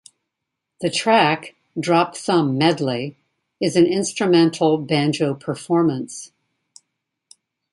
The track "Drop Thumb Medley" is an instrumental banjo performance.